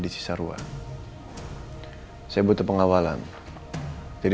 ini anytime ambulance